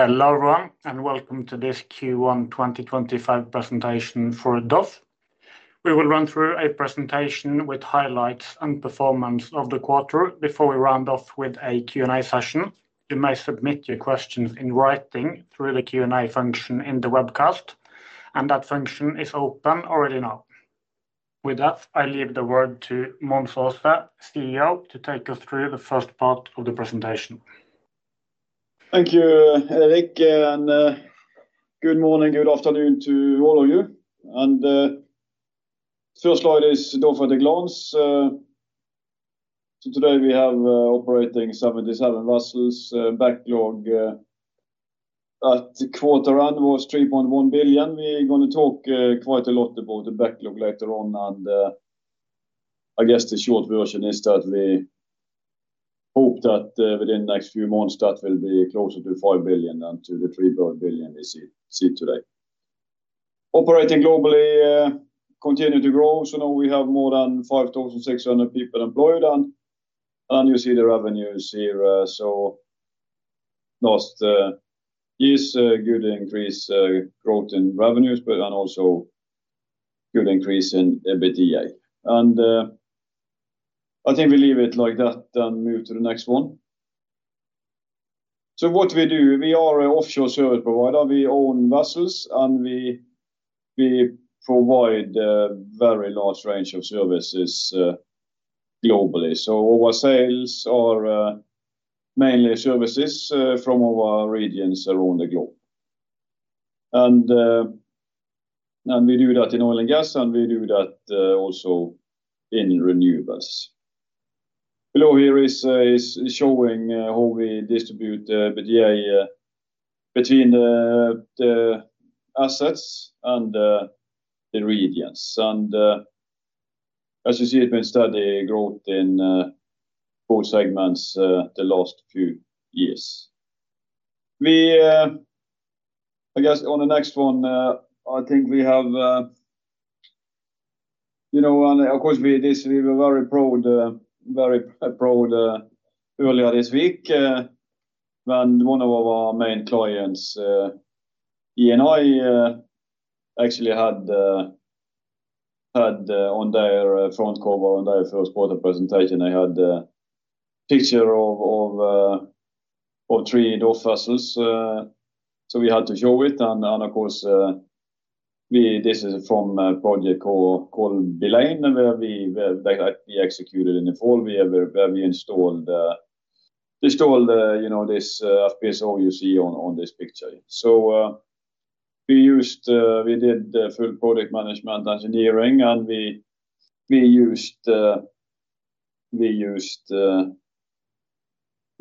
Hello everyone, and welcome to this Q1 2025 Presentation for DOF. We will run through a presentation with highlights and performance of the quarter before we round off with a Q&A session. You may submit your questions in writing through the Q&A function in the webcast, and that function is open already now. With that, I leave the word to Mons Aase, CEO, to take us through the first part of the presentation. Thank you, Eirik, and good morning, good afternoon to all of you. The first slide is DOF at a glance. Today we have operating 77 vessels. Backlog at quarter end was $3.1 billion. We are going to talk quite a lot about the backlog later on, and I guess the short version is that we hope that within the next few months that will be closer to $5 billion than to the $3.1 billion we see today. Operating globally continued to grow, so now we have more than 5,600 people employed, and you see the revenues here. Last year's good increase in growth in revenues, but also good increase in EBITDA. I think we leave it like that and move to the next one. What we do, we are an offshore service provider. We own vessels, and we provide a very large range of services globally. Our sales are mainly services from our regions around the globe. We do that in oil and gas, and we do that also in renewables. Below here is showing how we distribute EBITDA between the assets and the regions. As you see, it's been steady growth in both segments the last few years. I guess on the next one, I think we have, you know, and of course we were very proud, very proud earlier this week. One of our main clients, Eni, actually had on their front cover on their first quarter presentation, they had a picture of three DOF vessels. We had to show it. This is from a project called Baleine where we executed in the fall, where we installed this, you know, this FPSO you see on this picture. We did full project management engineering, and we used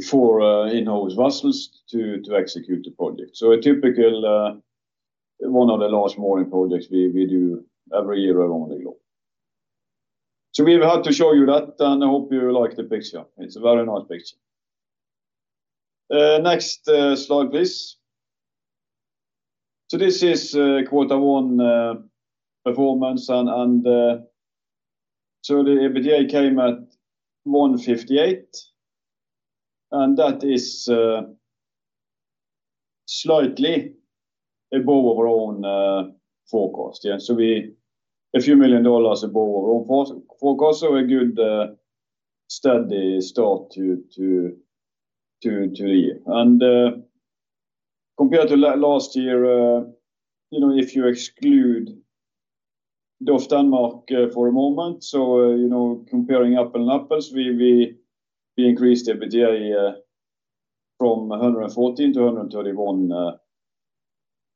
four in-house vessels to execute the project. A typical, one of the large mooring projects we do every year around the globe. We had to show you that, and I hope you like the picture. It is a very nice picture. Next slide, please. This is quarter one performance, and the EBITDA came at $158 million, and that is slightly above our own forecast. A few million dollars above our own forecast, so a good steady start to the year. Compared to last year, you know, if you exclude DOF Denmark for a moment, so you know, comparing apples to apples, we increased EBITDA from $140 million to $131 million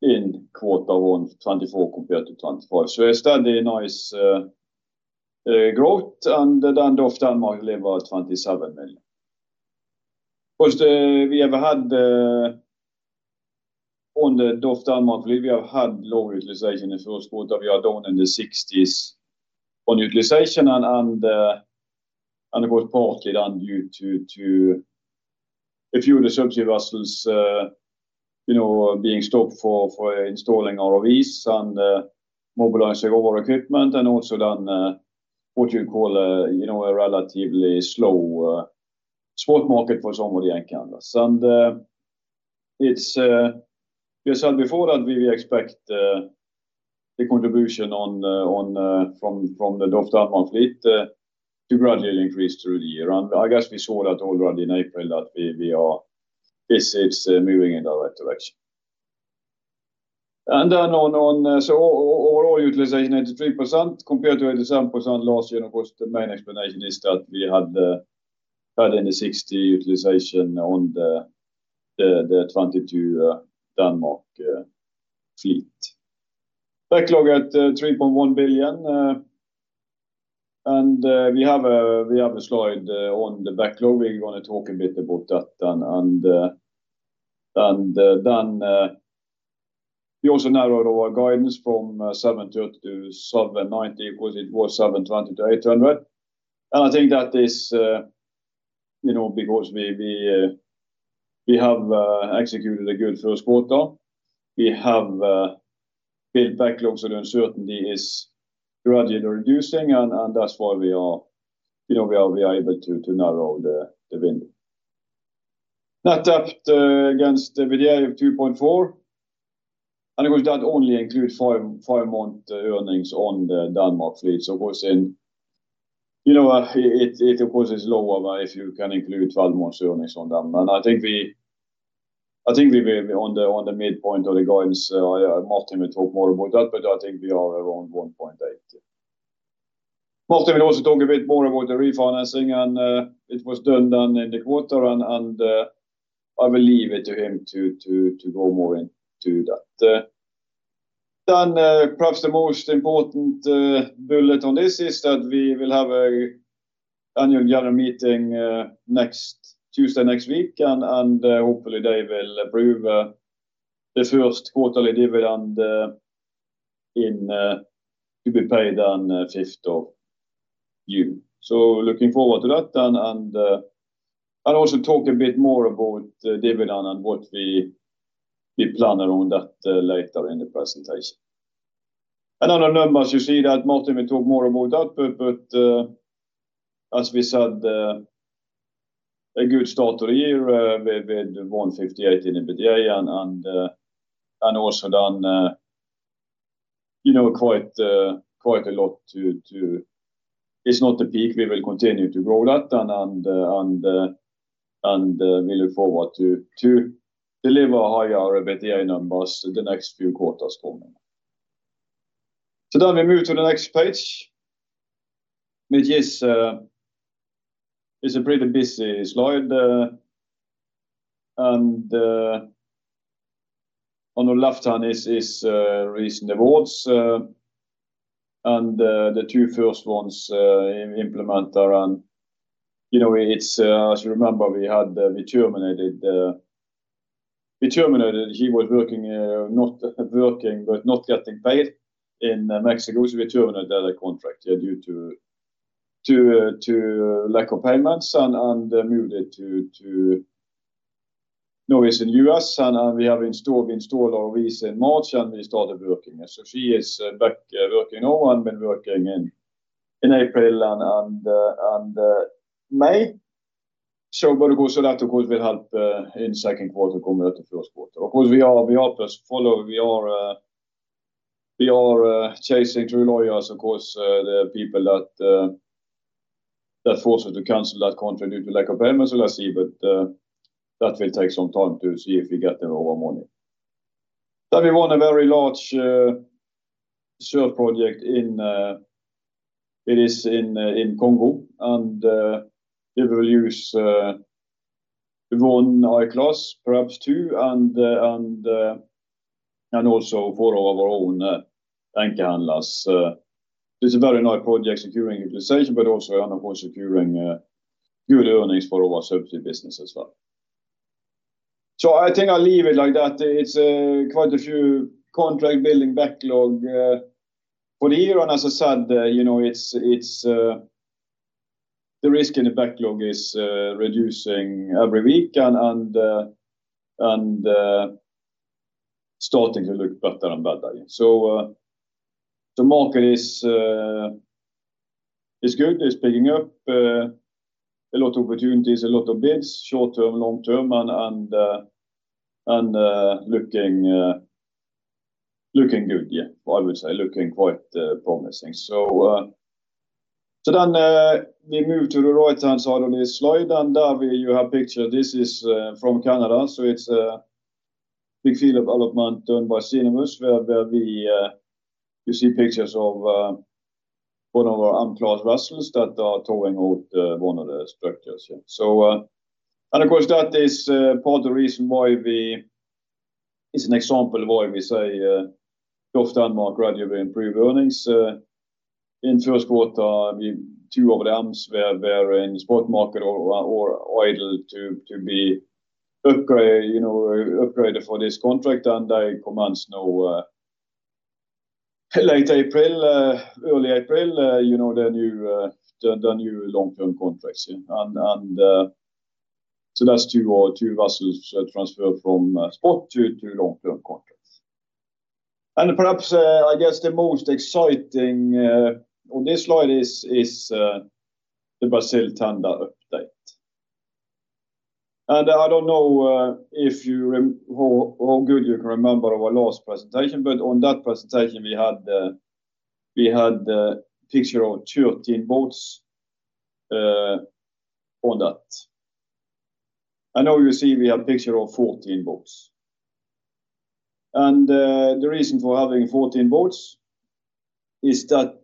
in quarter one 2024 compared to 2025. A steady nice growth, and then DOF Denmark level $27 million. Of course, we have had on the DOF Denmark fleet, we have had long utilization in the first quarter. We are down in the 60s on utilization, and of course, partly due to a few of the subsea vessels, you know, being stopped for installing ROVs and mobilizing all our equipment, and also then what you call a relatively slow spot market for some of the end candles. We said before that we expect the contribution from the DOF Denmark fleet to gradually increase through the year. I guess we saw that already in April that we are moving in that direction. On our utilization at 73% compared to 87% last year, of course, the main explanation is that we had in the 60% utilization on the 22 Denmark fleet. Backlog at $3.1 billion, and we have a slide on the backlog. We're going to talk a bit about that. Then we also narrowed our guidance from $700 million-$790 million because it was $720 million-$800 million. I think that is, you know, because we have executed a good first quarter. We have built backlog, so the uncertainty is gradually reducing, and that's why we are able to narrow the window. Net debt against EBITDA of 2.4. Of course, that only includes five-month earnings on the Denmark fleet. Of course, you know, it is lower if you can include 12-month earnings on them. I think we were on the midpoint of the guidance. Martin will talk more about that, but I think we are around 1.8. Martin will also talk a bit more about the refinancing, and it was done then in the quarter, and I will leave it to him to go more into that. Perhaps the most important bullet on this is that we will have annual general meeting next Tuesday, next week, and hopefully they will approve the first quarterly dividend to be paid on 5th of June. Looking forward to that, and I'll also talk a bit more about dividend and what we plan around that later in the presentation. Other numbers, you see that Martin will talk more about that, but as we said, a good start to the year with $158 million in EBITDA, and also then, you know, quite a lot to, it's not the peak. We will continue to grow that, and we look forward to deliver higher EBITDA numbers the next few quarters coming. We move to the next page, which is a pretty busy slide. On the left hand is recent awards, and the two first ones implemented, and you know, it's, as you remember, we had, we terminated, he was working, not working, but not getting paid in Mexico. We terminated the contract due to lack of payments and moved it to, you know, he's in the U.S., and we have installed ROVs in March, and we started working. She is back working now and been working in April and May. That of course will help in second quarter compared to first quarter. We are following, we are chasing through lawyers, of course, the people that forced us to cancel that contract due to lack of payments, so let's see, but that will take some time to see if we get them over money. We won a very large SURF project in Congo, and we will use one I-class, perhaps two, and also four of our own anchor handlers. It is a very nice project securing utilization, but also of course securing good earnings for our subsea business as well. I think I'll leave it like that. It is quite a few contracts building backlog for the year, and as I said, you know, the risk in the backlog is reducing every week and starting to look better and better. The market is good, it is picking up, a lot of opportunities, a lot of bids, short term, long term, and looking good, yeah, I would say, looking quite promising. Then we moved to the right-hand side of this slide, and there we have pictures, this is from Canada, so it's a big field development done by Sinamus, where you see pictures of one of our M-class vessels that are towing out one of the structures. Of course, that is part of the reason why we, it's an example of why we say DOF Denmark gradually improved earnings. In first quarter, two of the Ms were in spot market or idle to be upgraded for this contract, and they commenced now late April, early April, you know, the new long-term contracts. That's two vessels transferred from spot to long-term contracts. Perhaps I guess the most exciting on this slide is the Brazil tender update. I do not know if you how good you can remember our last presentation, but on that presentation we had a picture of 13 boats on that. Now you see we have a picture of 14 boats. The reason for having 14 boats is that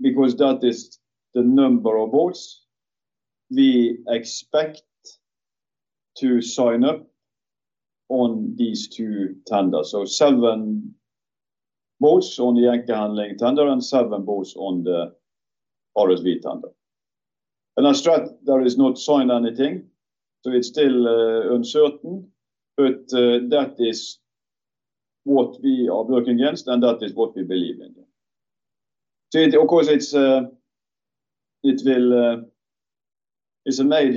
because that is the number of boats we expect to sign up on these two tenders. Seven boats on the end candle tender and seven boats on the RSV tender. As such, there is not signed anything, so it is still uncertain, but that is what we are working against, and that is what we believe in. Of course it's a major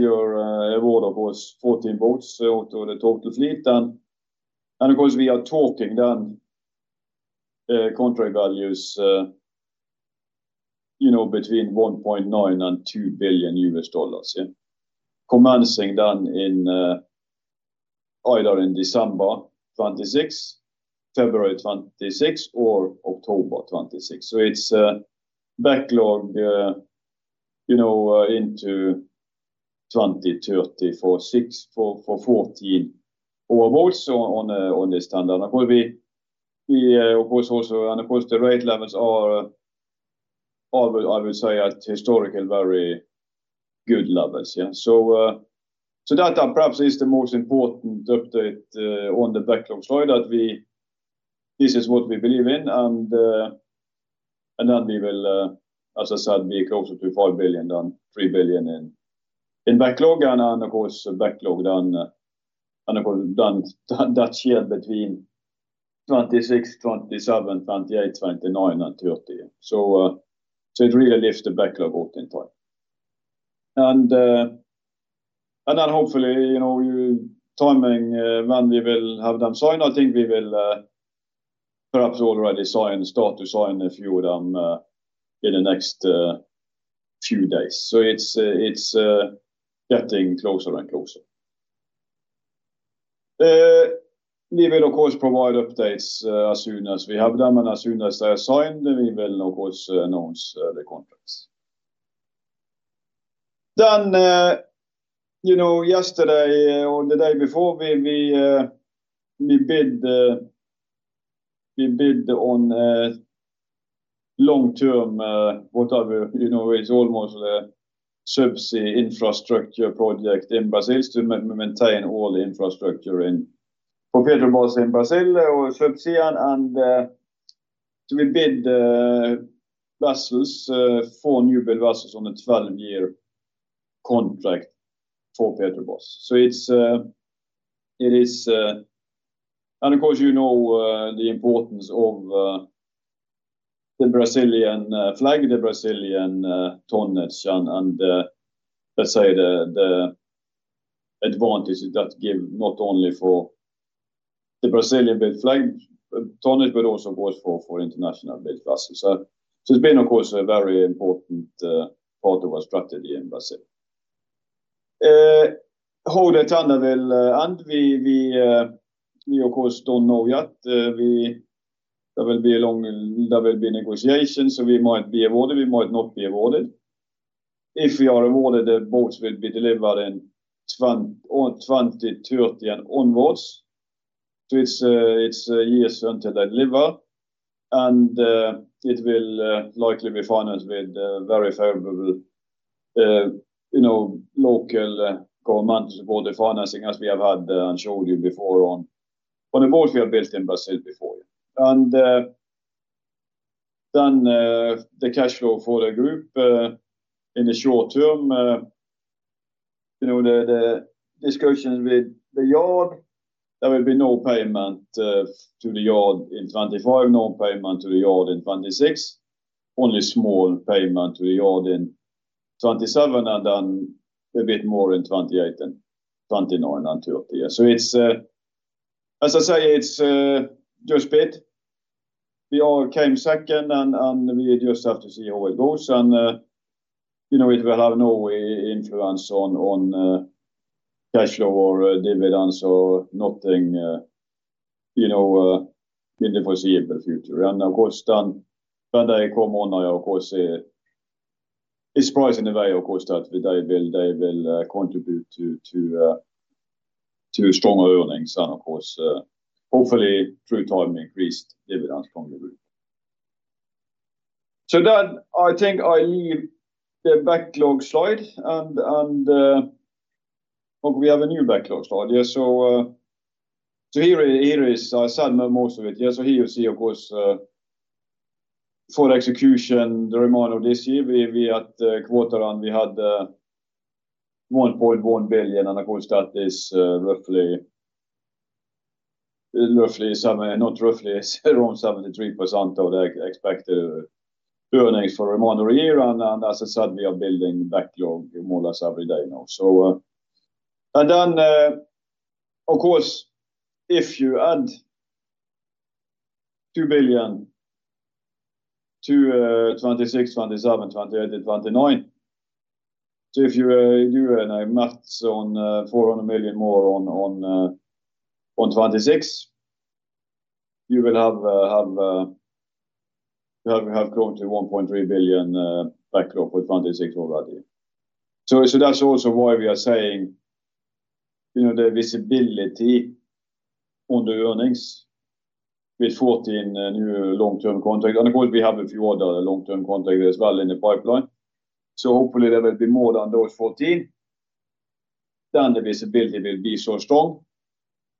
award of 14 boats out of the total fleet, and of course we are talking then contract values, you know, between $1.9 billion and $2 billion, yeah, commencing then in either in December 2026, February 2026, or October 2026. It's backlog, you know, into 2030 for 14 of our boats on this tender. Of course also the rate levels are, I would say, at historically very good levels, yeah. That perhaps is the most important update on the backlog slide, that this is what we believe in, and then we will, as I said, be closer to $5 billion than $3 billion in backlog, and of course backlog then, and of course then that shared between 2026, 2027, 2028, 2029, and 2030. It really lifts the backlog out in time. Hopefully, you know, timing when we will have them signed, I think we will perhaps already sign, start to sign a few of them in the next few days. It is getting closer and closer. We will of course provide updates as soon as we have them, and as soon as they are signed, we will of course announce the contracts. Yesterday or the day before, we bid on long-term, whatever, you know, it is almost a subsea infrastructure project in Brazil to maintain all the infrastructure for Petrobras in Brazil or subsea. We bid vessels, four newbuild vessels on a 12-year contract for Petrobras. It is, and of course, you know the importance of the Brazilian flag, the Brazilian tonnage, and let's say the advantage that gives, not only for the Brazilian-built flag tonnage, but also of course for international-built vessels. It has been, of course, a very important part of our strategy in Brazil. How the tender will end, we of course do not know yet. There will be negotiations, so we might be awarded, we might not be awarded. If we are awarded, the boats will be delivered in 2030 and onwards. It is years until they deliver, and it will likely be financed with very favorable, you know, local government-supported financing as we have had and showed you before on the boats we have built in Brazil before. The cash flow for the group in the short term, you know, the discussions with the yard, there will be no payment to the yard in 2025, no payment to the yard in 2026, only small payment to the yard in 2027, and then a bit more in 2028 and 2029 and 2030. It's, as I say, it's just bid. We came second, and we just have to see how it goes, and you know, it will have no influence on cash flow or dividends or nothing, you know, in the foreseeable future. Of course, then they come on, of course, it's pricing away, of course, that they will contribute to stronger earnings, and of course, hopefully through time increased dividends from the group. I think I leave the backlog slide, and we have a new backlog slide. Here is, as I said, most of it, yeah, here you see, of course, for execution, the remainder of this year, we at quarter end, we had $1.1 billion, and of course, that is around 73% of the expected earnings for the remainder of the year, and as I said, we are building backlog more or less every day now. If you add $2 billion to 2026, 2027, 2028, and 2029, if you do a max on $400 million more on 2026, you will have grown to $1.3 billion backlog for 2026 already. That is also why we are saying, you know, the visibility on the earnings with 14 new long-term contracts, and of course, we have a few other long-term contracts as well in the pipeline. Hopefully there will be more than those 14. The visibility will be so strong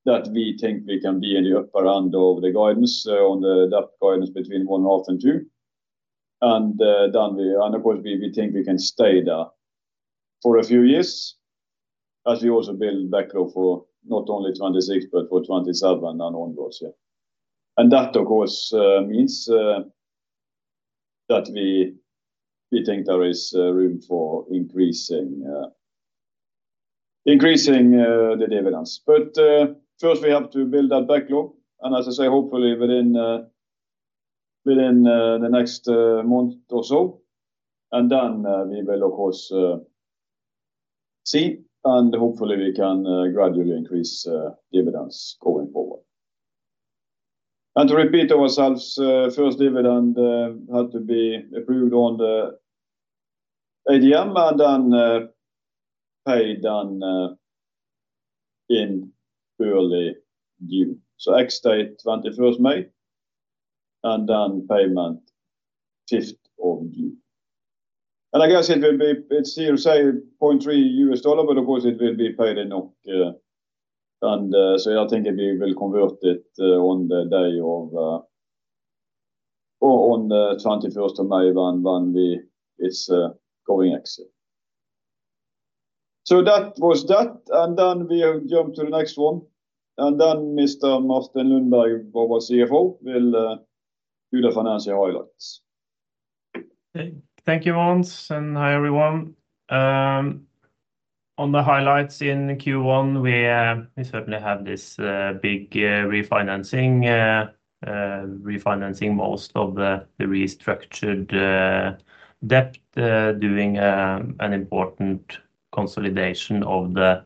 that we think we can be in the upper end of the guidance, on the depth guidance between $1.5 billion and $2 billion. We think we can stay there for a few years as we also build backlog for not only 2026, but for 2027 and onwards, yeah. That of course means that we think there is room for increasing the dividends. First we have to build that backlog, and as I say, hopefully within the next month or so, and then we will of course see, and hopefully we can gradually increase dividends going forward. To repeat ourselves, first dividend had to be approved on the ADM, and then paid in early June. X date 21st May, and then payment 5th of June. I guess it will be, it's here to say $0.3, but of course it will be paid in, and so I think we will convert it on the day of, or on 21st of May when it's going exit. That was that, and we jump to the next one, and Mr. Martin Lundberg, our CFO, will do the financial highlights. Thank you, Mons. Hi everyone. On the highlights in Q1, we certainly have this big refinancing, refinancing most of the restructured debt, doing an important consolidation of the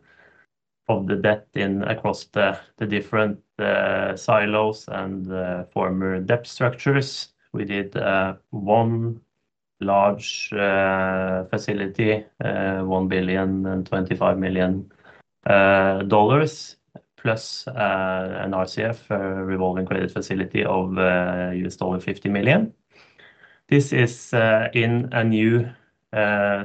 debt across the different silos and former debt structures. We did one large facility, $1 billion and $25 million, plus an RCF, a revolving credit facility of $50 million. This is in a new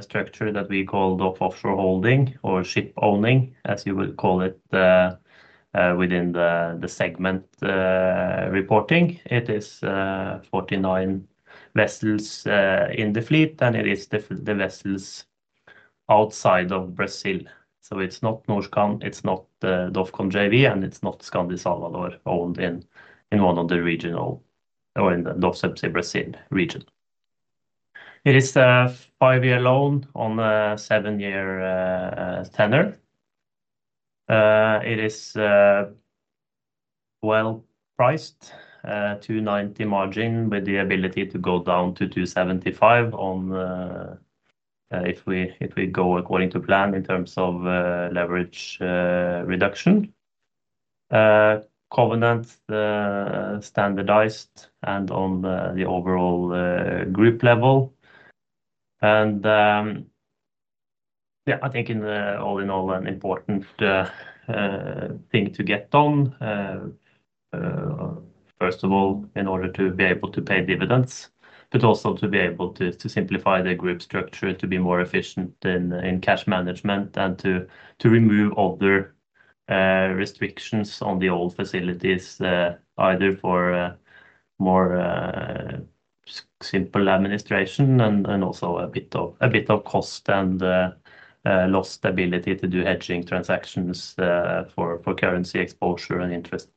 structure that we call DOF Offshore Holding or ship owning, as you would call it within the segment reporting. It is 49 vessels in the fleet, and it is the vessels outside of Brazil. So it's not Norskan, it's not DOFCON JV, and it's not Skandi Salvador owned in one of the regional or in the DOF Subsea Brazil region. It is a five-year loan on a seven-year tender. It is well priced, 290 margin with the ability to go down to 275 if we go according to plan in terms of leverage reduction. Covenant standardized and on the overall group level. Yeah, I think in all in all, an important thing to get done, first of all, in order to be able to pay dividends, but also to be able to simplify the group structure to be more efficient in cash management and to remove other restrictions on the old facilities, either for more simple administration and also a bit of cost and lost ability to do hedging transactions for currency exposure and interest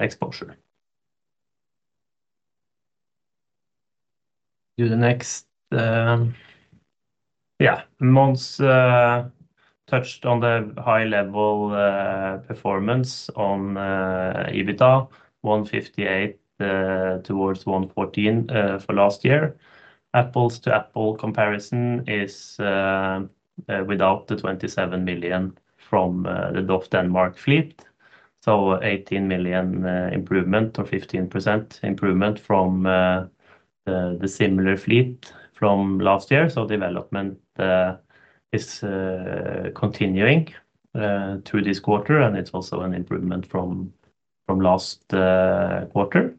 exposure. Do the next, yeah, Mons touched on the high-level performance on EBITDA, $158 million towards $114 million for last year. Apple's to Apple comparison is without the $27 million from the DOF Denmark fleet, so $18 million improvement or 15% improvement from the similar fleet from last year. Development is continuing through this quarter, and it's also an improvement from last quarter.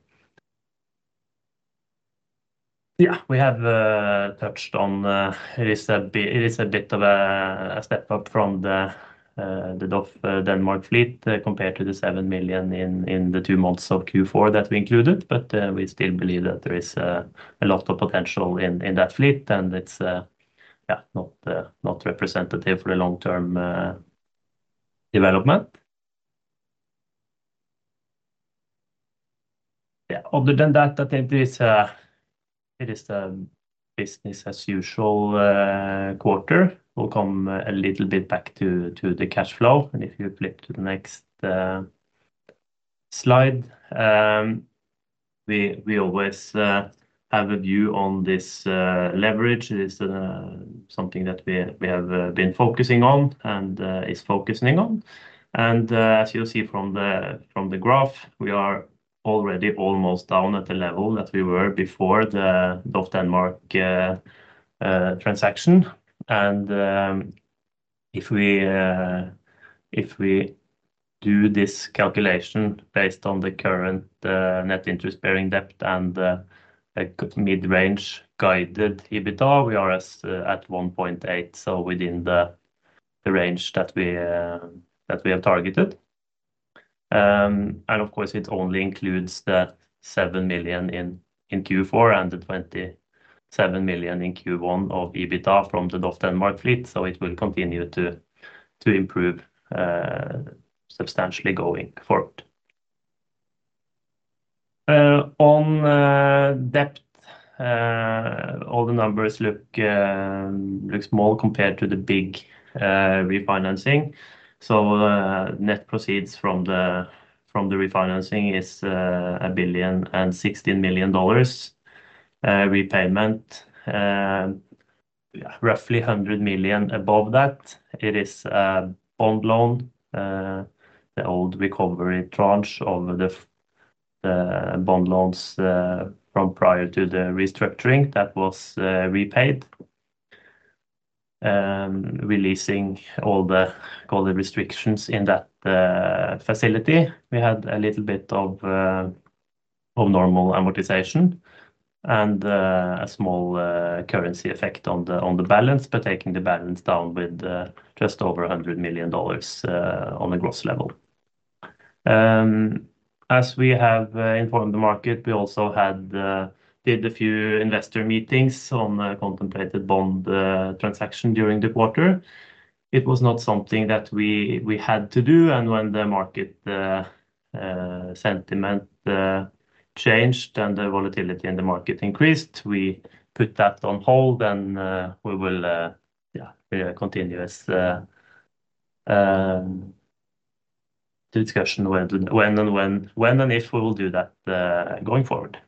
Yeah, we have touched on it. It is a bit of a step up from the DOF Denmark fleet compared to the $7 million in the two months of Q4 that we included, but we still believe that there is a lot of potential in that fleet, and it is not representative for the long-term development. Yeah, other than that, I think it is the business as usual quarter. We will come a little bit back to the cash flow, and if you flip to the next slide, we always have a view on this leverage. It is something that we have been focusing on and is focusing on. As you see from the graph, we are already almost down at the level that we were before the DOF Denmark transaction. If we do this calculation based on the current net interest bearing debt and mid-range guided EBITDA, we are at 1.8, so within the range that we have targeted. It only includes the $7 million in Q4 and the $27 million in Q1 of EBITDA from the DOF Denmark fleet, so it will continue to improve substantially going forward. On debt, all the numbers look small compared to the big refinancing. Net proceeds from the refinancing is $1 billion and $16 million repayment. Yeah, roughly $100 million above that. It is a bond loan, the old recovery tranche of the bond loans from prior to the restructuring that was repaid, releasing all the restrictions in that facility. We had a little bit of normal amortization and a small currency effect on the balance, but taking the balance down with just over $100 million on the gross level. As we have informed the market, we also did a few investor meetings on contemplated bond transaction during the quarter. It was not something that we had to do, and when the market sentiment changed and the volatility in the market increased, we put that on hold, and we will continue the discussion when and if we will do that going forward.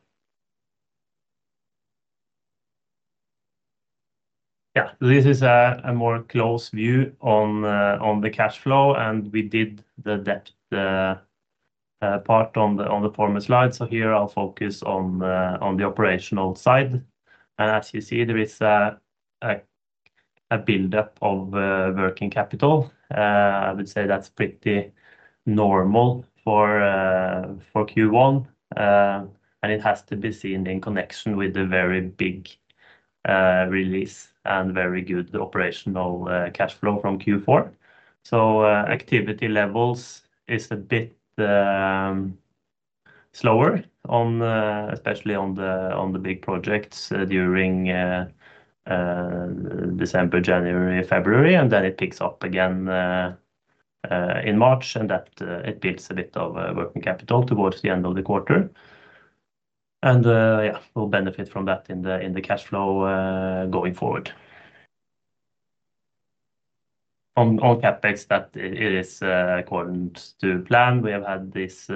Yeah, this is a more close view on the cash flow, and we did the debt part on the former slide, so here I'll focus on the operational side. As you see, there is a buildup of working capital. I would say that's pretty normal for Q1, and it has to be seen in connection with the very big release and very good operational cash flow from Q4. Activity levels is a bit slower, especially on the big projects during December, January, February, and then it picks up again in March, and that it builds a bit of working capital towards the end of the quarter. Yeah, we'll benefit from that in the cash flow going forward. On CapEx, that it is according to plan. We have had these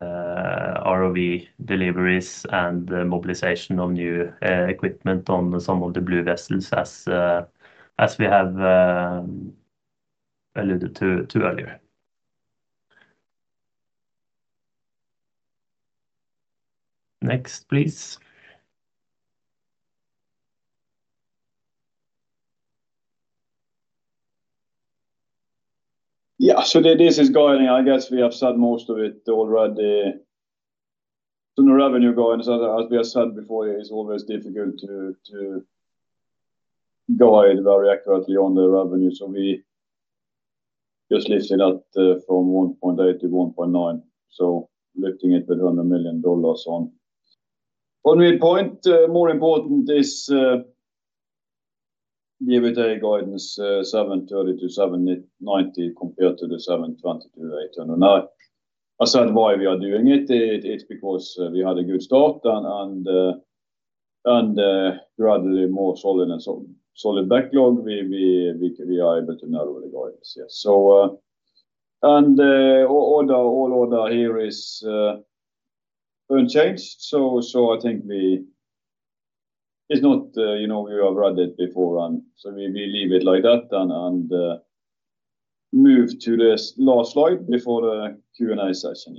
ROV deliveries and mobilization of new equipment on some of the blue vessels as we have alluded to earlier. Next, please. Yeah, so this is guiding. I guess we have said most of it already. The revenue guidance, as we have said before, is always difficult to guide very accurately on the revenue. We just lifted that from 1.8 to 1.9, so lifting it with $1 million on midpoint. More important is the EBITDA guidance, $730 million-$790 million compared to the $720 million-$809 million. I said why we are doing it. It's because we had a good start and gradually more solid backlog. We are able to narrow the guidance. All order here is unchanged. I think it's not, you know, we have read it before, and we leave it like that and move to this last slide before the Q&A session.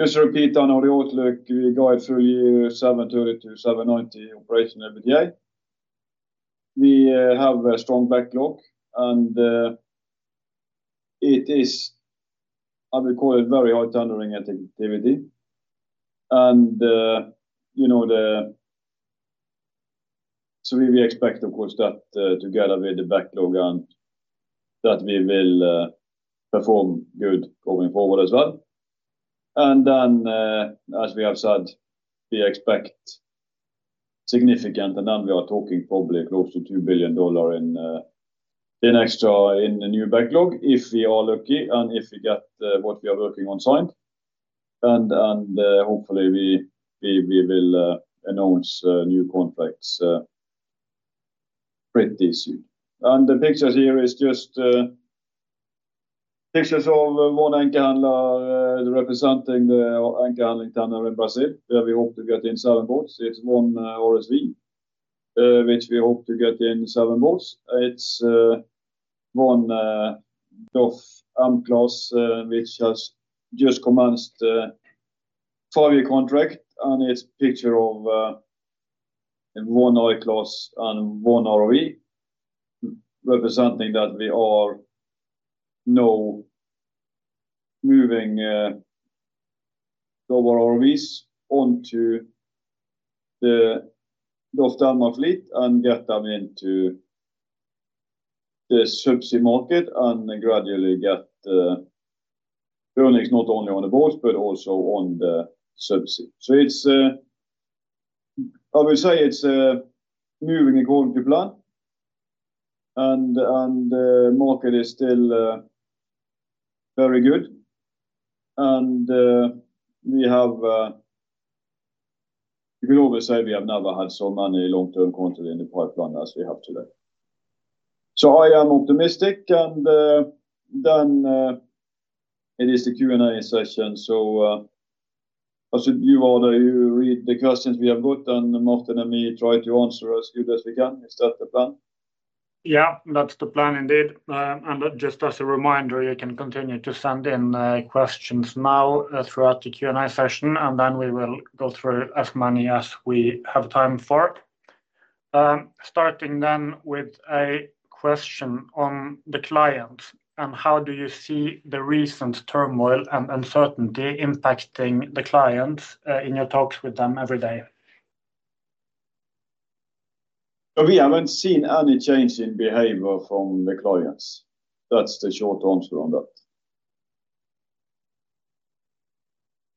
Just to repeat on our outlook, we guide through year $730 million-$790 million operational EBITDA. We have a strong backlog, and it is, I would call it, very high tendering activity. You know, we expect, of course, that together with the backlog and that we will perform good going forward as well. As we have said, we expect significant, and then we are talking probably close to $2 billion in extra in the new backlog if we are lucky and if we get what we are working on signed. Hopefully, we will announce new contracts pretty soon. The pictures here are just pictures of one anchor handler representing the anchor handling tenor in Brazil where we hope to get in seven boats. It is one RSV, which we hope to get in seven boats. It is one DOF AMT class, which has just commenced a five-year contract, and it is a picture of one I-class and one ROV representing that we are now moving global ROVs onto the DOF Denmark fleet and getting them into the subsea market and gradually getting earnings not only on the boats, but also on the subsea. I would say it's moving according to plan, and the market is still very good. We have, you could always say we have never had so many long-term contracts in the pipeline as we have today. I am optimistic, and then it is the Q&A session. You rather read the questions we have got and Martin and me try to answer as good as we can instead of the plan. Yeah, that's the plan indeed. Just as a reminder, you can continue to send in questions now throughout the Q&A session, and we will go through as many as we have time for. Starting then with a question on the clients, how do you see the recent turmoil and uncertainty impacting the clients in your talks with them every day? We haven't seen any change in behavior from the clients. That's the short answer on that.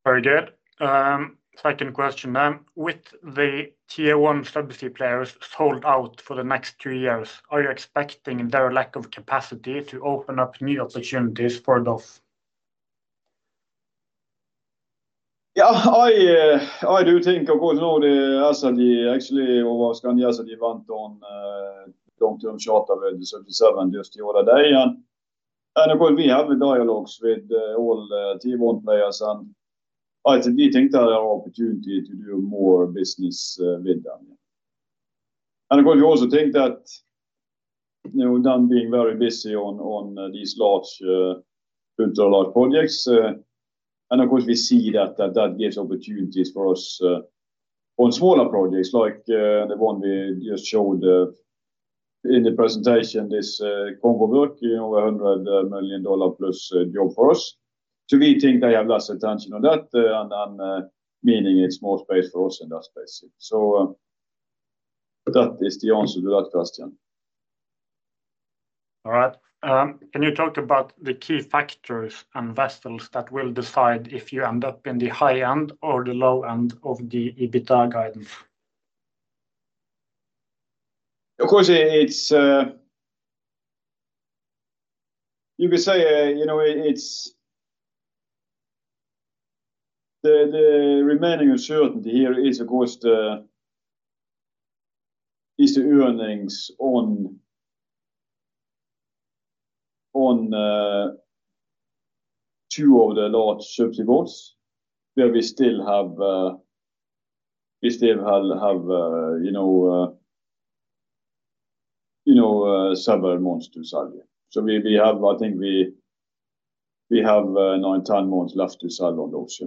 Very good. Second question then, with the tier one subsea players sold out for the next two years, are you expecting their lack of capacity to open up new opportunities for DOF? Yeah, I do think, of course, now the, as the actually overall Scandia said, you went on long-term charter with Subsea7 just the other day. Of course, we have the dialogues with all tier one players. I think we think there are opportunities to do more business with them. Of course, we also think that, you know, them being very busy on these large inter-large projects. Of course, we see that that gives opportunities for us on smaller projects like the one we just showed in the presentation, this Congo work, you know, $100 million+ job for us. We think they have less attention on that, meaning it's more space for us in that space. That is the answer to that question. All right. Can you talk about the key factors and vessels that will decide if you end up in the high end or the low end of the EBITDA guidance? Of course, you could say, you know, the remaining uncertainty here is, of course, the earnings on two of the large subsea boats where we still have, you know, several months to sell. I think we have nine, 10 months left to sell on those.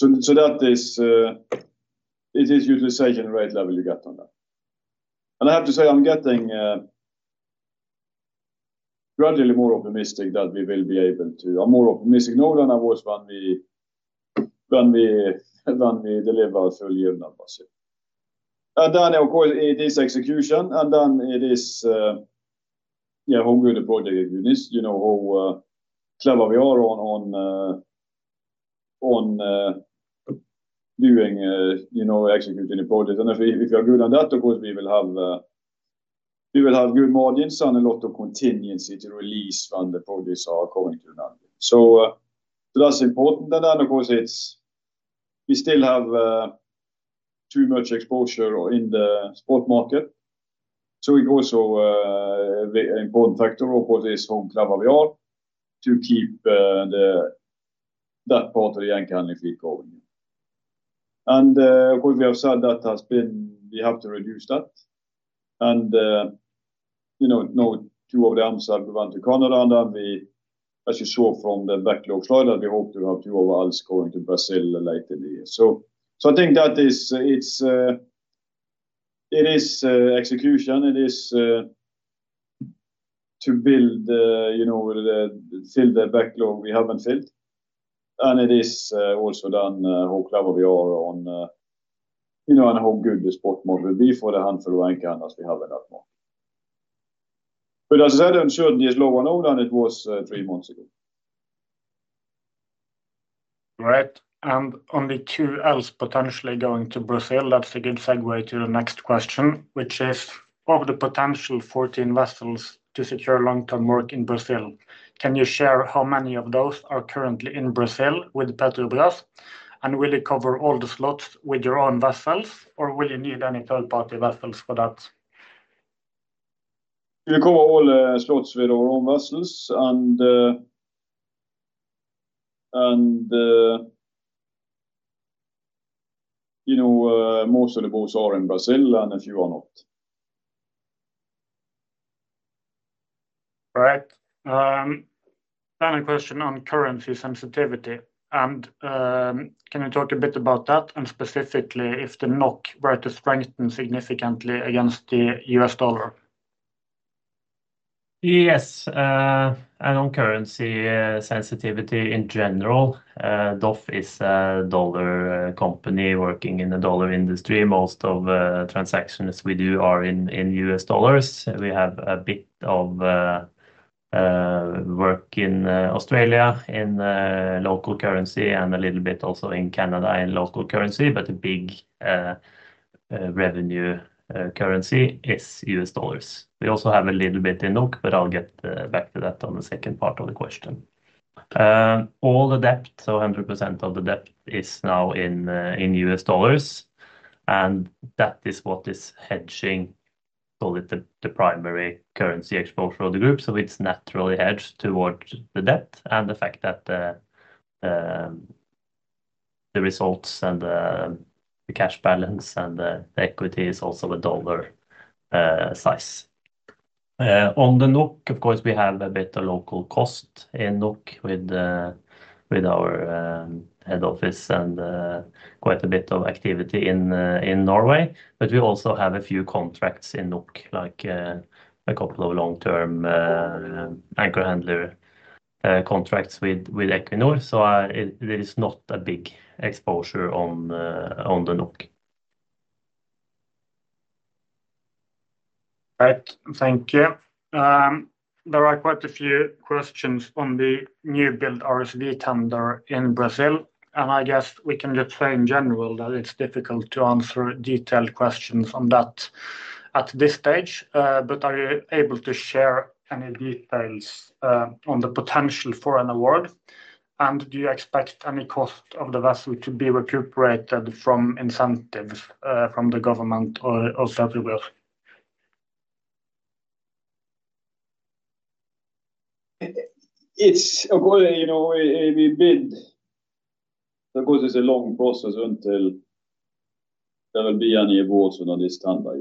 That is, it is utilization rate level you get on that. I have to say I'm getting gradually more optimistic that we will be able to, I'm more optimistic now than I was when we deliver a full year now, per se. Of course, it is execution, and then it is, yeah, how good the project execution is, you know, how clever we are on doing, you know, executing the project. If we are good on that, of course, we will have good margins and a lot of contingency to release when the projects are coming to an end. That's important. Of course, we still have too much exposure in the spot market. We also have an important factor, of course, which is how clever we are to keep that part of the anchor handling fleet going. Of course, we have said that has been, we have to reduce that. You know, now two of the AMSA have gone to Canada, and then we, as you saw from the backlog slide, hope to have two of us going to Brazil later this year. I think that it is execution, it is to build, you know, fill the backlog we have not filled. It is also then how clever we are on, you know, and how good the spot market will be for the handful of anchor handlers we have in that market. As I said, uncertainty is lower now than it was three months ago. Right. On the two else potentially going to Brazil, that is a good segue to the next question, which is of the potential 14 vessels to secure long-term work in Brazil, can you share how many of those are currently in Brazil with Petrobras? Will you cover all the slots with your own vessels, or will you need any third-party vessels for that? We cover all slots with our own vessels, and you know, most of the boats are in Brazil, and a few are not. All right. Final question on currency sensitivity. Can you talk a bit about that, and specifically if the NOK were to strengthen significantly against the U.S. dollar? Yes. On currency sensitivity in general, DOF is a dollar company working in the dollar industry. Most of the transactions we do are in U.S. dollars. We have a bit of work in Australia in local currency and a little bit also in Canada in local currency, but the big revenue currency is U.S. dollars. We also have a little bit in NOK, but I'll get back to that on the second part of the question. All the debt, so 100% of the debt is now in U.S. dollars, and that is what is hedging solid the primary currency exposure of the group. It is naturally hedged towards the debt and the fact that the results and the cash balance and the equity is also a dollar size. On the NOK, of course, we have a bit of local cost in NOK with our head office and quite a bit of activity in Norway, but we also have a few contracts in NOK, like a couple of long-term anchor handler contracts with Equinor. There is not a big exposure on the NOK. Right. Thank you. There are quite a few questions on the new build RSV tender in Brazil, and I guess we can just say in general that it is difficult to answer detailed questions on that at this stage. Are you able to share any details on the potential for an award, and do you expect any cost of the vessel to be recuperated from incentives from the government or Federal? It's, of course, you know, we bid, of course, it's a long process until there will be any awards under this standard.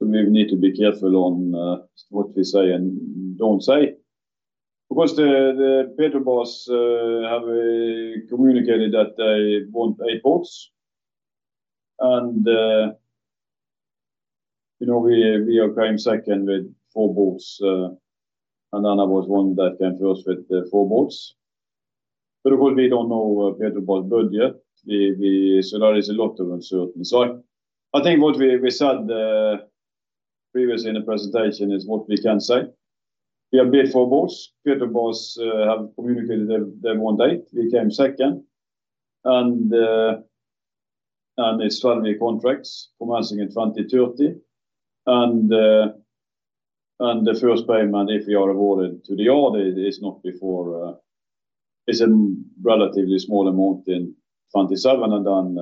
We need to be careful on what we say and don't say. Of course, Petrobras have communicated that they want eight boats, and you know, we are coming second with four boats, and then there was one that came first with four boats. Of course, we don't know Petrobras' budget. There is a lot of uncertainty. I think what we said previously in the presentation is what we can say. We have bid four boats. Petrobras have communicated their want date. We came second, and it's 12-year contracts commencing in 2030. The first payment, if we are awarded to the yard, is not before it's a relatively small amount in 2027, and then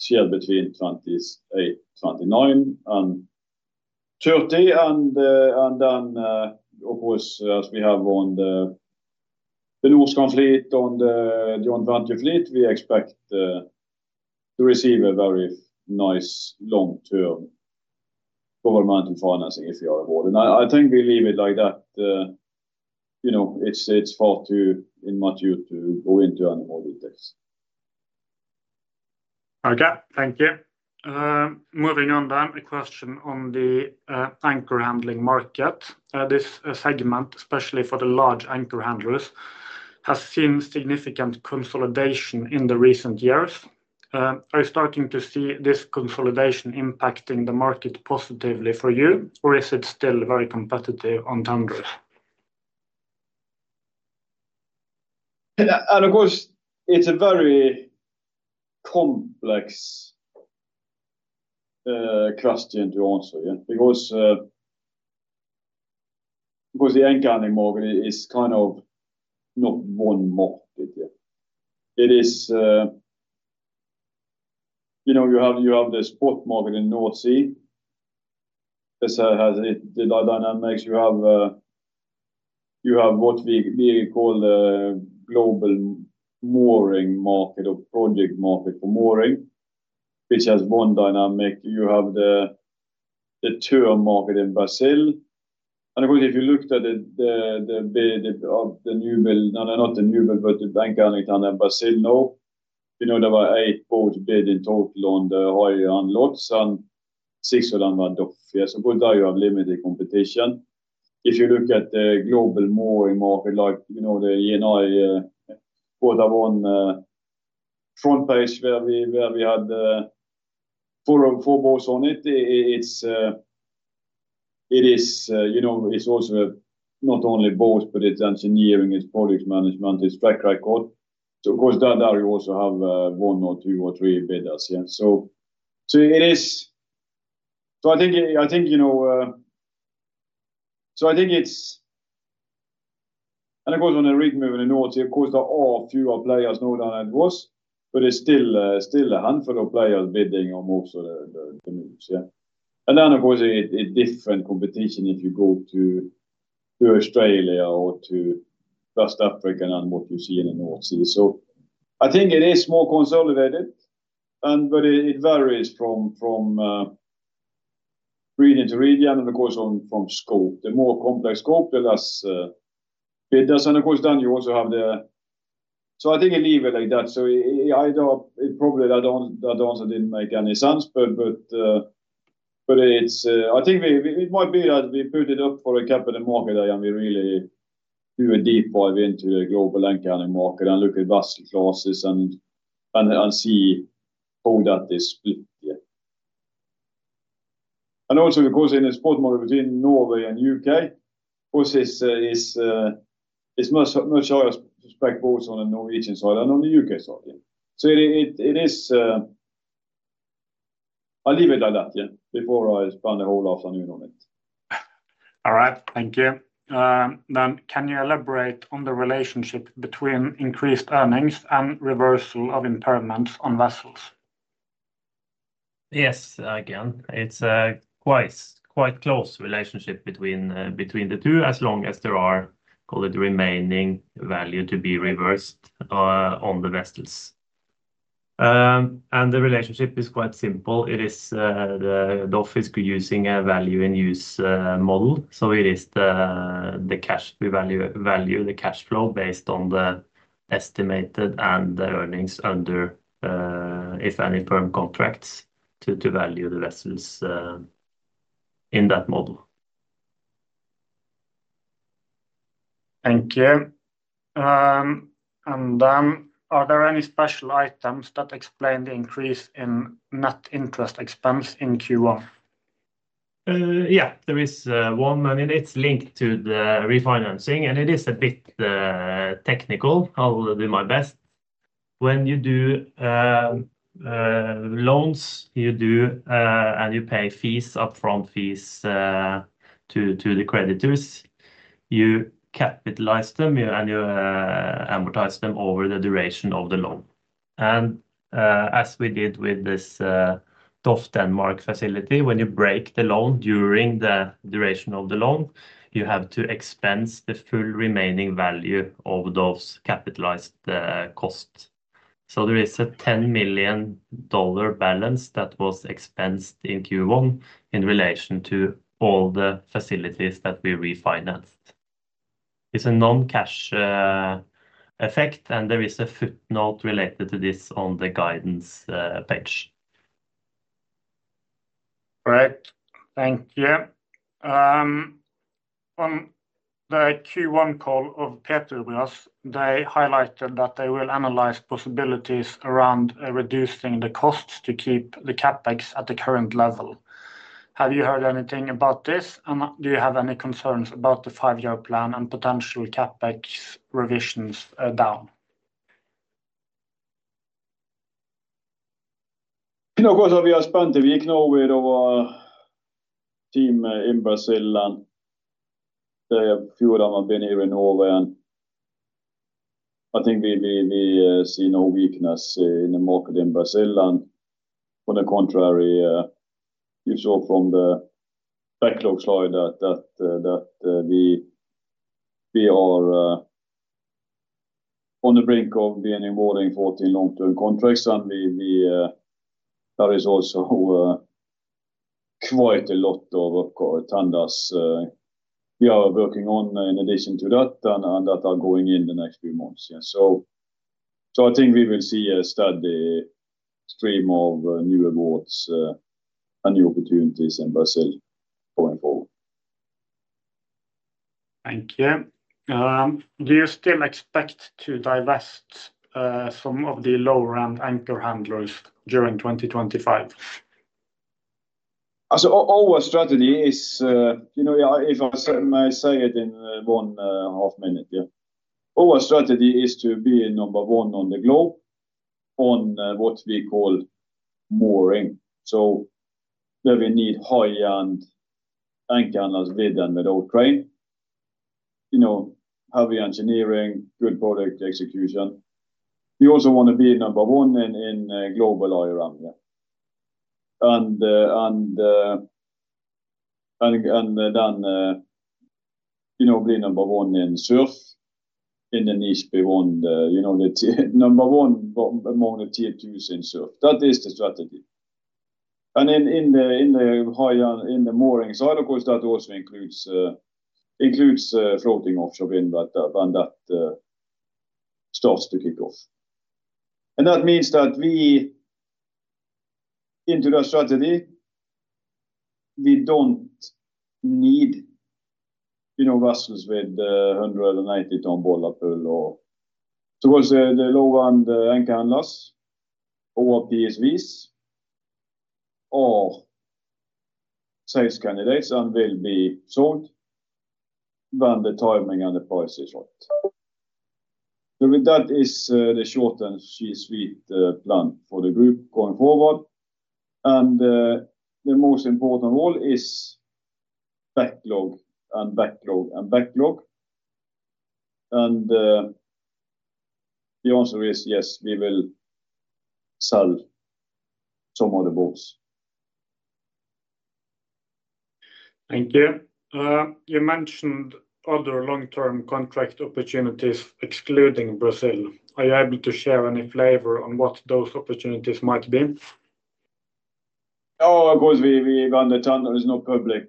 shared between 2028, 2029, and 2030. Of course, as we have on the NOOC fleet, on the John 20 fleet, we expect to receive a very nice long-term government financing if we are awarded. I think we leave it like that. You know, it's far too in my view to go into any more details. Okay. Thank you. Moving on then, a question on the anchor handling market. This segment, especially for the large anchor handlers, has seen significant consolidation in the recent years. Are you starting to see this consolidation impacting the market positively for you, or is it still very competitive on tenders? Of course, it's a very complex question to answer, yeah, because the anchor handling market is kind of not one market, yeah. It is, you know, you have the spot market in North Sea, as I said, has the dynamics. You have what we call the global mooring market or project market for mooring, which has one dynamic. You have the term market in Brazil. Of course, if you looked at the bid of the new build, not the new build, but the anchor handling tender in Brazil now, you know, there were eight boats bid in total on the higher hand lots, and six of them were DOF, yeah. There you have limited competition. If you look at the global mooring market, like, you know, the ENI, we have one front page where we had four boats on it. It is, you know, it's also not only boats, but it's engineering, it's project management, it's track record. So of course, there you also have one or two or three bidders, yeah. It is, so I think, you know, so I think it's, and of course, on the rig moving in North Sea, of course, there are fewer players now than it was, but it's still a handful of players bidding on most of the moves, yeah. Of course, it's different competition if you go to Australia or to West Africa than what you see in the North Sea. I think it is more consolidated, but it varies from region to region, and of course, from scope. The more complex scope, the less bidders. Of course, then you also have the. I think you leave it like that. It probably, that answer did not make any sense, but I think it might be that we put it up for a capital market and we really do a deep dive into the global anchor handling market and look at vessel classes and see how that is split, yeah. Also, of course, in the spot market between Norway and the U.K., of course, it is much higher spec boats on the Norwegian side and on the U.K. side, yeah. It is, I will leave it like that, yeah, before I expand the whole afternoon on it. All right. Thank you. Can you elaborate on the relationship between increased earnings and reversal of impairments on vessels? Yes, I can. It is a quite close relationship between the two as long as there are, call it, remaining value to be reversed on the vessels. The relationship is quite simple. DOF is using a value-in-use model. It is the cash, we value the cash flow based on the estimated and the earnings under, if any, firm contracts to value the vessels in that model. Thank you. Are there any special items that explain the increase in net interest expense in Q1? Yeah, there is one, and it's linked to the refinancing, and it is a bit technical. I'll do my best. When you do loans, you do, and you pay fees, upfront fees to the creditors. You capitalize them, and you amortize them over the duration of the loan. As we did with this DOF Denmark facility, when you break the loan during the duration of the loan, you have to expense the full remaining value of those capitalized costs. There is a $10 million balance that was expensed in Q1 in relation to all the facilities that we refinanced. It's a non-cash effect, and there is a footnote related to this on the guidance page. All right. Thank you. On the Q1 call of Petrobras, they highlighted that they will analyze possibilities around reducing the costs to keep the CapEx at the current level. Have you heard anything about this, and do you have any concerns about the five-year plan and potential CapEx revisions down? Of course, I'll be spending the week now with our team in Brazil. They have fewer than I've been here in Norway, and I think we see no weakness in the market in Brazil. On the contrary, you saw from the backlog slide that we are on the brink of beginning mooring for long-term contracts. There is also quite a lot of tenders we are working on in addition to that, and that are going in the next few months, yeah. I think we will see a steady stream of new awards and new opportunities in Brazil going forward. Thank you. Do you still expect to divest some of the lower-end anchor handlers during 2025? Our strategy is, you know, if I may say it in one half minute, yeah. Our strategy is to be number one on the globe on what we call mooring. Where we need high-end anchor handlers with and without crane, you know, heavy engineering, good product execution. We also want to be number one in global IRM, yeah. And then, you know, be number one in surf in the NISPI one, you know, number one among the TF2s in surf. That is the strategy. In the high-end, in the mooring side, of course, that also includes floating offshore wind, but then that starts to kick off. That means that we, into that strategy, we do not need, you know, vessels with 190-ton bollard pull or. Of course, the low-end anchor handlers, OFPSVs, are sales candidates and will be sold when the timing and the price is right. That is the short and, you know, sweet plan for the group going forward. The most important role is backlog and backlog and backlog. The answer is, yes, we will sell some of the boats. Thank you. You mentioned other long-term contract opportunities excluding Brazil. Are you able to share any flavor on what those opportunities might be? Of course, when the tender is not public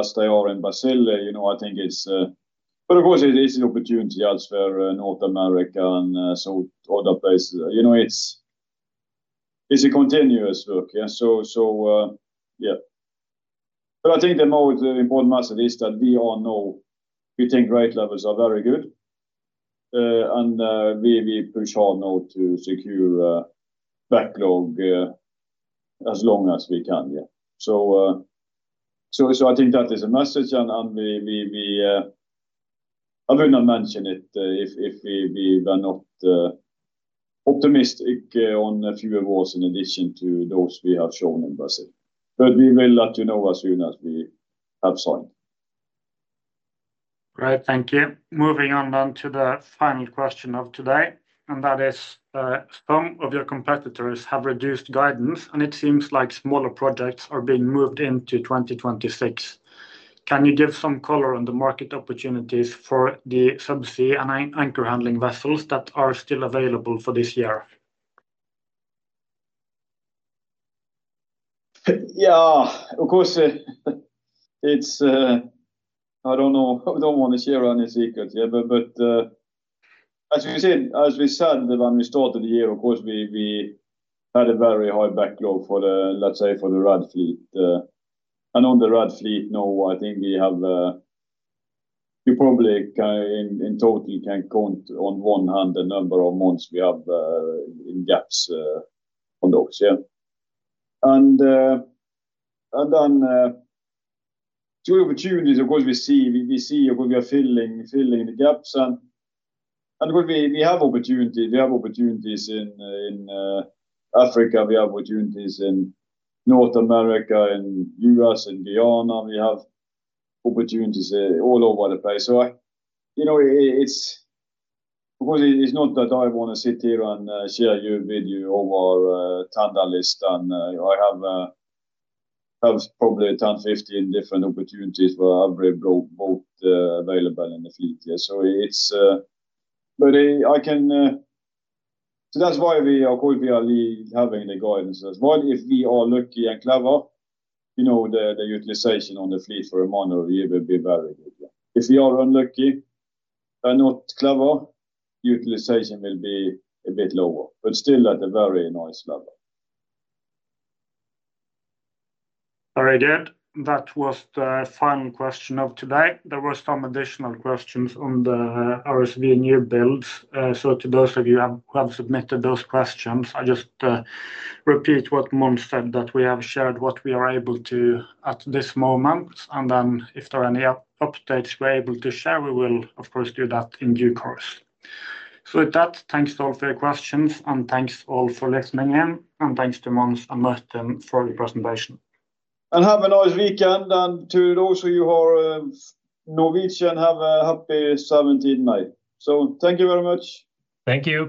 as they are in Brazil, you know, I think it's, but of course, it's an opportunity elsewhere, North America and other places. You know, it's a continuous look, yeah. So yeah. I think the most important message is that we are now, we think rate levels are very good, and we push hard now to secure backlog as long as we can, yeah. I think that is a message, and I would not mention it if we were not optimistic on a few awards in addition to those we have shown in Brazil. We will let you know as soon as we have signed. All right. Thank you. Moving on then to the final question of today, and that is, some of your competitors have reduced guidance, and it seems like smaller projects are being moved into 2026. Can you give some color on the market opportunities for the subsea and anchor handling vessels that are still available for this year? Yeah, of course, it's, I don't know, I don't want to share any secrets, yeah, but as we said, as we said, when we started the year, of course, we had a very high backlog for the, let's say, for the red fleet. On the red fleet now, I think we have, we probably in total can count on one hand the number of months we have in gaps on DOF's, yeah. Two opportunities, of course, we see, we see, of course, we are filling the gaps. Of course, we have opportunities, we have opportunities in Africa, we have opportunities in North America, in the U.S., in Guyana, we have opportunities all over the place. You know, it's, of course, it's not that I want to sit here and share with you all our tender list, and I have probably 10-15 different opportunities for every boat available in the fleet, yeah. It's, but I can, that's why we, of course, we are leaving having the guidance as well. If we are lucky and clever, you know, the utilization on the fleet for a month or a year will be very good, yeah. If we are unlucky and not clever, utilization will be a bit lower, but still at a very nice level. Very good. That was the final question of today. There were some additional questions on the RSV new builds. To those of you who have submitted those questions, I just repeat what Mons said, that we have shared what we are able to at this moment, and if there are any updates we are able to share, we will, of course, do that in due course. With that, thanks to all for your questions, and thanks to all for listening in, and thanks to Mons and Martin for the presentation. Have a nice weekend, and to those of you who are Norwegian, have a happy 17 May. Thank you very much. Thank you.